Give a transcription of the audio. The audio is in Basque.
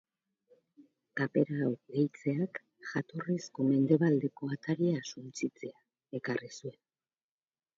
Kapera hau gehitzeak jatorrizko mendebaldeko ataria suntsitzea ekarri zuen.